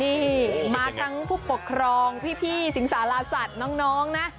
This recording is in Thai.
นี่มาทั้งผู้ปกครองพี่สิงสาราสัตว์น้องนะ